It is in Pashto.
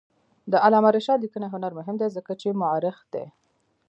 د علامه رشاد لیکنی هنر مهم دی ځکه چې مؤرخ دی.